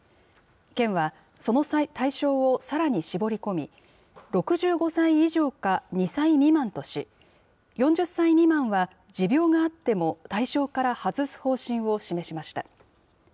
県はその対象をさらに絞り込み、６５歳以上か２歳未満とし、４０歳未満は持病があっても対象から外す方針を示しました。